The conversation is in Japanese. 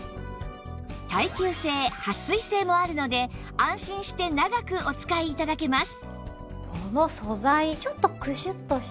耐久性はっ水性もあるので安心して長くお使い頂けます